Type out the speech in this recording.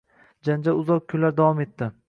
Janjal uzoq kunlar davom etdi.